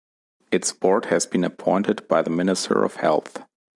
Its board has been appointed by the Minister of Health.